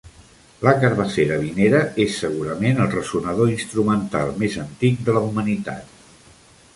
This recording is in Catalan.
La carbassera vinera és segurament el ressonador instrumental més antic de la humanitat.